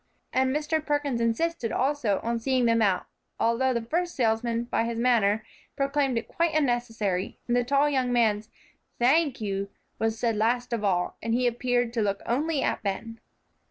And Mr. Perkins insisted, also, on seeing them out, although the first salesman, by his manner, proclaimed it quite unnecessary, and the tall young man's "Thank you" was said last of all, and he appeared to look only at Ben.